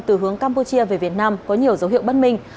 từ hướng campuchia về việt nam có nhiều dấu hiệu bất minh